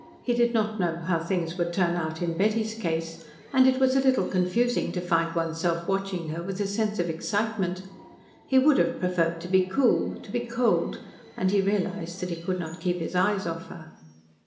He did not know how things would turn out in Betty's case, and it was a little confusing to find one's self watching her with a sense of excitement. He would have preferred to be cool to be cold and he realised that he could not keep his eyes off her.